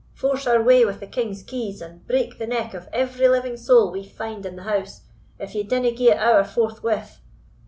"Force our way with the king's keys, and break the neck of every living soul we find in the house, if ye dinna gie it ower forthwith!"